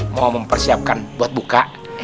mau mempersiapkan buat buka